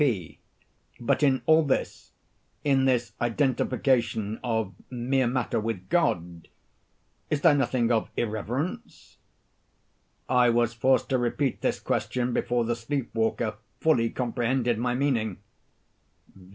P. But in all this—in this identification of mere matter with God—is there nothing of irreverence? [I was forced to repeat this question before the sleep waker fully comprehended my meaning.] _V.